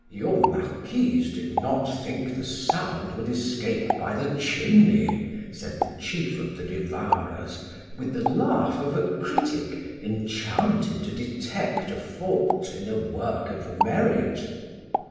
"Your marquise did not think the sound would escape by the chimney," said the chief of the Devourers, with the laugh of a critic, enchanted to detect a fault in a work of merit.